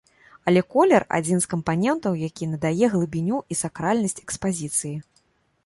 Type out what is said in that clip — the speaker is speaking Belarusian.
Але колер, адзін з кампанентаў, які надае глыбіню і сакральнасць экспазіцыі.